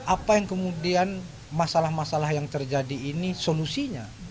apa yang kemudian masalah masalah yang terjadi ini solusinya